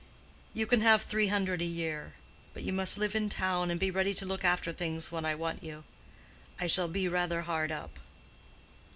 "You can have three hundred a year. But you must live in town and be ready to look after things when I want you. I shall be rather hard up."